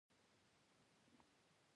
باران د افغانانو د معیشت سرچینه ده.